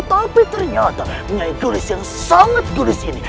tapi ternyata nyai geris yang sangat geris ini